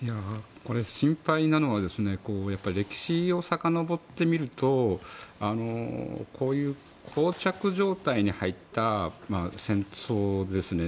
これ、心配なのは歴史をさかのぼってみるとこういうこう着状態に入った戦争ですね。